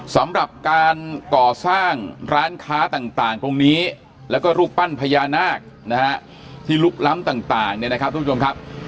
สำหรับการก่อสร้างร้านค้าต่างตรงนี้แล้วก็รูปปั้นพญานาคนะฮะที่ลุกล้ำต่างเนี่ยนะครับทุกผู้ชมครับ